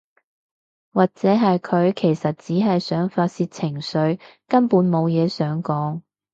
或者係佢其實只係想發洩情緒，根本無嘢想講